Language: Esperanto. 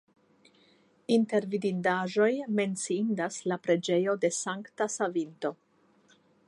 Inter vidindaĵoj menciindas la preĝejo de Sankta Savinto.